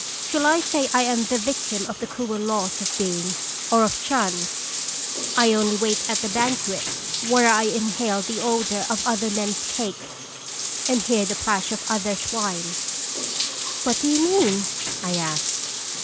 " Shall I say I am the victim of the cruel laws of being, or of chance ? I only wait at a banquet where I inhale the odor of 266 "Slje Seconir Carb other men's cake, and hear the plash of others' wine." "What do you mean?" I asked.